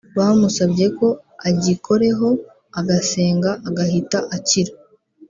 Bamusabye ko agikoreho agasenga agahita akira